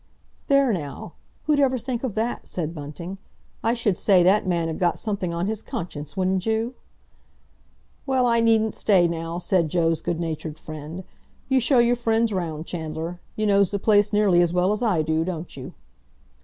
"There now! Who'd ever think of that?" said Bunting. "I should say that man 'ud got something on his conscience, wouldn't you?" "Well, I needn't stay now," said Joe's good natured friend. "You show your friends round, Chandler. You knows the place nearly as well as I do, don't you?"